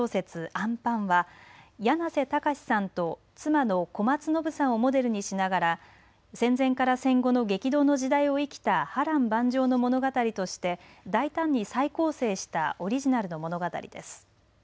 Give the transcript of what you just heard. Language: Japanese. あんぱんはやなせたかしさんと妻の小松暢さんをモデルにしながら戦前から戦後の激動の時代を生きた波乱万丈の物語として大胆に再構成したオリジナルの物語です。